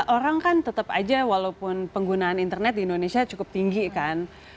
orang kan tetap aja walaupun penggunaan internet di indonesia cukup tinggi kan